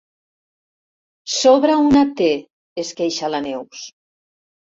Sobra una te —es queixa la Neus.